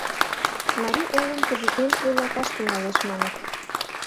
— Марий Элым президент вуйлаташ тӱҥалеш, маныт.